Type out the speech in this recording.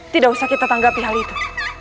tidak usah kita tanggapi hal itu